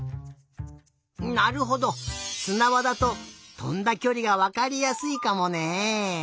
なるほどすなばだととんだきょりがわかりやすいかもね。